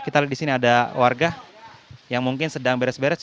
kita lihat di sini ada warga yang mungkin sedang beres beres